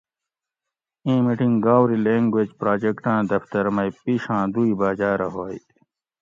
ایں میٹنگ گاؤری لینگویج پراجیکٹاں دفتر مئی پیشاۤں دوئی باجاۤ رہ ہوئے